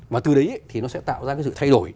mà từ đấy thì nó sẽ tạo ra cái sự thay đổi